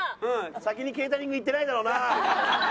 先にケータリング行ってないだろうな？